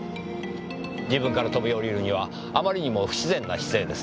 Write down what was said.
自分から飛び降りるにはあまりにも不自然な姿勢ですね。